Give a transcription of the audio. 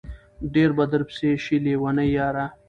ډېر به درپسې شي لېوني ياره